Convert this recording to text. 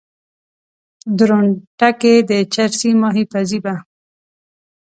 درونټه کې د چرسي ماهي پزي به